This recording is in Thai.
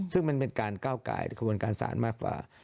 ซึ่งมันเป็นการก้าวกายขบวนการศาลมากกว่า